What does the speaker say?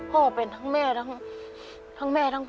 ป่าวเป็นทั้งแม่ทั้งพ่อ